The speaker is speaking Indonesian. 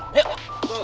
biar dia gak sopan lawan